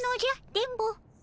電ボ。